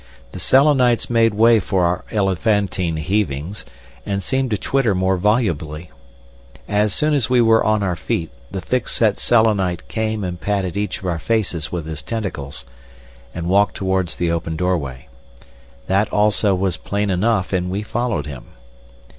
The Selenites made way for our elephantine heavings, and seemed to twitter more volubly. As soon as we were on our feet the thick set Selenite came and patted each of our faces with his tentacles, and walked towards the open doorway. That also was plain enough, and we followed him.